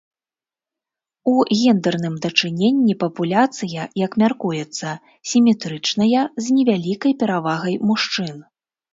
У гендэрным дачыненні папуляцыя, як мяркуецца, сіметрычная, з невялікай перавагай мужчын.